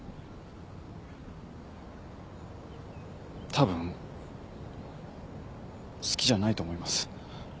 たぶん好きじゃないと思います。